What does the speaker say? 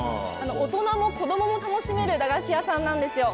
大人も子供も楽しめる駄菓子屋さんなんですよ。